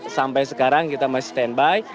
sampai sekarang kita masih standby